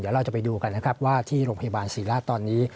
เดี๋ยวเราจะไปดูกันนะครับว่าที่โรงพยาบาลศรีราชตอนนี้